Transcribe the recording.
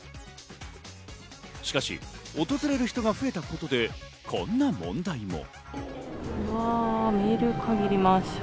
しかし、訪れる人が増えたことで、こんな問題も。